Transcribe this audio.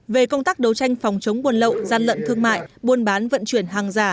về công tác đấu tranh phòng chống buôn lậu gian lận thương mại buôn bán vận chuyển hàng giả